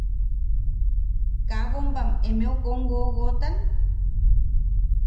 ¿Kaa bombam emeu kom wowotan?